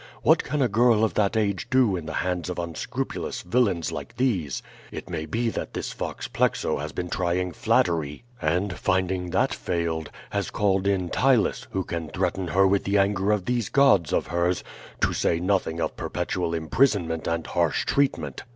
What can a girl of that age do in the hands of unscrupulous villains like these? It may be that this fox Plexo has been trying flattery; and, finding that failed, has called in Ptylus, who can threaten her with the anger of these gods of hers, to say nothing of perpetual imprisonment and harsh treatment.